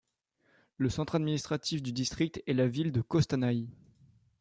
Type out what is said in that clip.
Le centre administratif du district est la ville de Kostanaï.